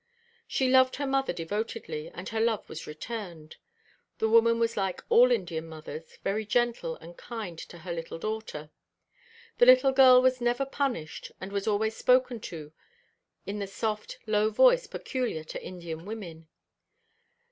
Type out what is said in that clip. She loved her mother devotedly, and her love was returned. The woman was like all Indian mothers, very gentle and kind to her little daughter. The little girl was never punished, and was always spoken to in the soft, low voice peculiar to Indian women.